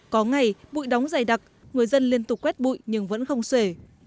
có ngày bụi đóng dày đặc người dân liên tục quét bụi nhưng vẫn không sể